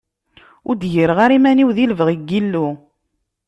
Ur d-gireɣ ara iman-iw di lebɣi n yilu.